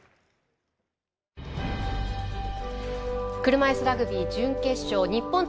車いすラグビー準決勝日本対